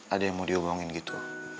ada yang mau diomongin gitu